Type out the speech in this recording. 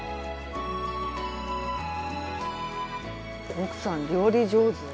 奥さん料理上手。